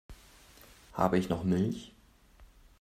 Habe ich noch Milch?